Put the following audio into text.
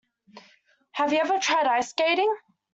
Have you ever tried ice skating?